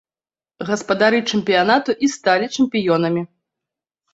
Гаспадары чэмпіянату і сталі чэмпіёнамі.